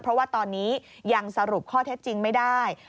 เพราะว่าตอนนี้ยังสรุปข้อเท็จจริงไม่ได้